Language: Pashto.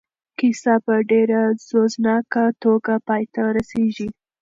کیسه په ډېره سوزناکه توګه پای ته رسېږي.